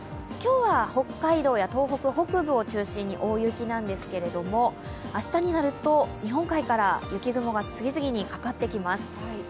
今日は北海道や東北北部を中心に大雪なんですけれども、明日になると日本海から雪雲が次々にかかってきます。